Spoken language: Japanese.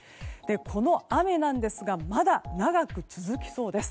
この雨ですがまだ長く続きそうです。